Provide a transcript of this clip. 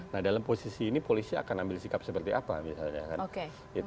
nah dalam posisi ini polisi akan ambil sikap seperti apa misalnya kan